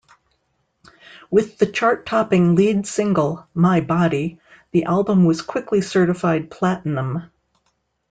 With the chart-topping lead single "My Body", the album was quickly certified platinum.